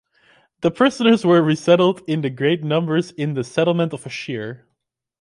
The prisoners were resettled in great numbers in the settlement of Ashir.